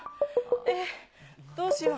えっ、どうしよう。